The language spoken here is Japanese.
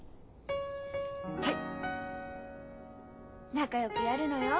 ・仲よくやるのよ。